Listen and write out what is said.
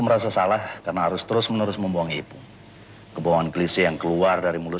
merasa salah karena harus terus menerus membongi ipung kebohongan klise yang keluar dari mulut